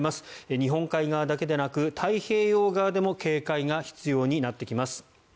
日本海側だけでなく太平洋側でも警戒が必要になってきます。